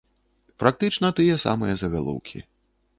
Практычна тыя самыя загалоўкі.